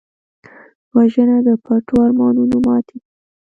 وژنه د پټو ارمانونو ماتې ده